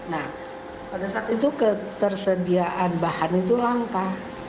nah pada saat itu ketersediaan bahan itu langka